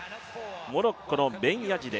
モロッコのベンヤジデ。